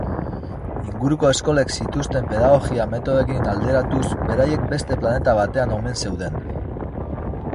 Inguruko eskolek zituzten pedagogia metodoekin alderatuz, beraiek beste planeta batean omen zeuden.